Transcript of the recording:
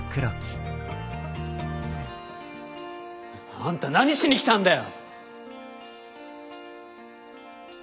・あんた何しに来たんだよ！